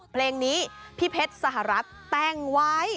เพลงนี้พี่เพชรสหรัฐแต่งไว้